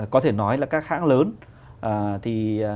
có thể nói là các hãng lớn thì